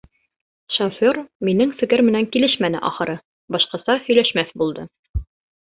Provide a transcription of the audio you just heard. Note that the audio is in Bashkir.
Шофер минең фекер менән килешмәне ахыры, башҡаса һөйләшмәҫ булды.